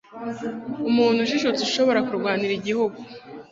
umuntu ujijutse ushobora kurwanira igihugu